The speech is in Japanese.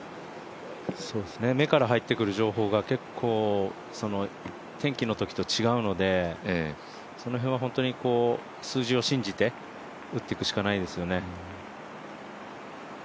目から入ってくる情報が結構、天気のときと違うのでその辺は数字を信じて打ってくしかないですよね。